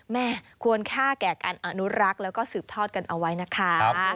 ควรค่าแก่การอนุรักษ์แล้วก็สืบทอดกันเอาไว้นะคะ